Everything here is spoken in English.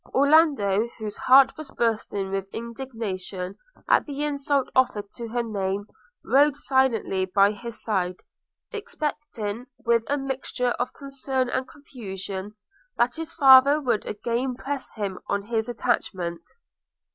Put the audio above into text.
Orlando, whose heart was bursting with indignation at the insult offered to her name, rode silently by his side, expecting, with a mixture of concern and confusion, that his father would again press him on his attachment.